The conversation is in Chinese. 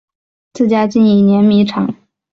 自家经营碾米厂